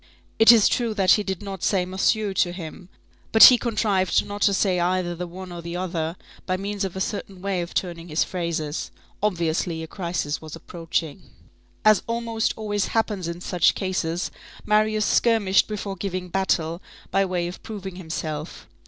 It is true that he did not say "monsieur" to him; but he contrived not to say either the one or the other, by means of a certain way of turning his phrases. Obviously, a crisis was approaching. As almost always happens in such cases, Marius skirmished before giving battle, by way of proving himself.